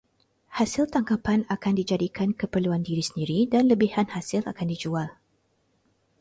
Hasil tangkapan akan dijadikan keperluan diri sendiri dan lebihan hasil akan dijual.